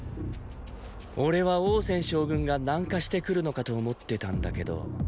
俺は王翦将軍が南下して来るのかと思ってたんだけど。